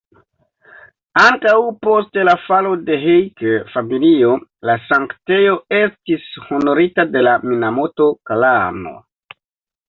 Ankaŭ post la falo de Heike-Familio, la sanktejo estis honorita de la Minamoto-klano.